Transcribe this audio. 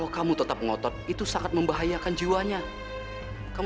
kita pasti akan ngebebasin bapak